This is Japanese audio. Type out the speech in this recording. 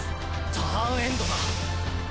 ターンエンドだ。